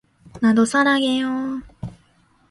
나도 사랑해요.